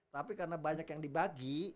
tapi karena banyak yang dibagi